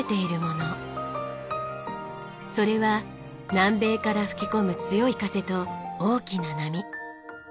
それは南米から吹き込む強い風と大きな波。